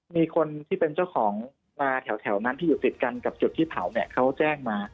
มีคนที่เป็นเจ้าของมาแถวนั้นที่อยู่ติดกันกับจุดที่เผาเนี่ยเขาแจ้งมา